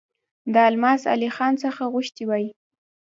د الماس علي خان څخه غوښتي وای.